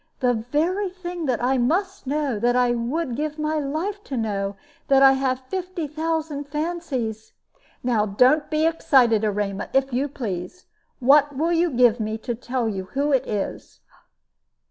"The very thing that I must know that I would give my life to know that I have fifty thousand fancies " "Now don't be excited, Erema, if you please. What will you give me to tell you who it is?"